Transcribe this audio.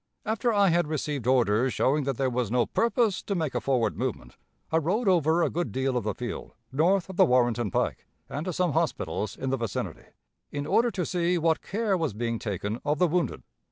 "After I had received orders showing that there was no purpose to make a forward movement, I rode over a good deal of the field, north of the Warrenton pike, and to some hospitals in the vicinity, in order to see what care was being taken of the wounded.